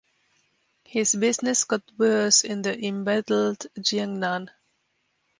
His business got worse in the embattled Jiangnan.